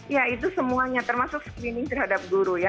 ya itu semuanya termasuk screening terhadap guru ya